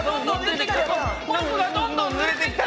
コルクがどんどんぬれてきた！